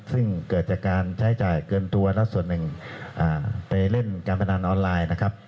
ซึ่งเกิดจากการใช้จ่ายเกินตัวและส่วนหนึ่งไปเล่นการพนันออนไลน์นะครับ